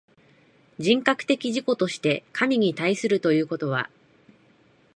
人格的自己として神に対するということは、